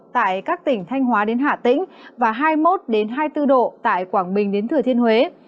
tại các tỉnh thanh hóa đến hạ tĩnh và hai mươi một hai mươi bốn độ tại quảng bình đến thừa thiên huế